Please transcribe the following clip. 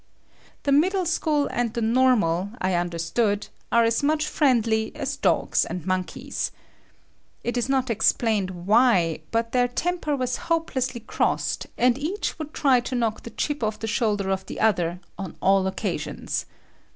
The middle school and the normal, I understood, are as much friendly as dogs and monkeys. It is not explained why but their temper was hopelessly crossed, and each would try to knock the chip off the shoulder of the other on all occasions.